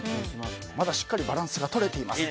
まだしっかりバランスが取れています。